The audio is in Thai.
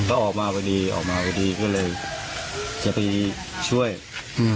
ก็ออกมาพอดีออกมาพอดีก็เลยจะไปช่วยอืม